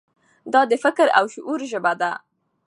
دا د فکر او شعور ژبه ده.